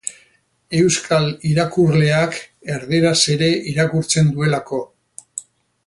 Euskal irakurleak erdaraz ere irakurtzen duelako.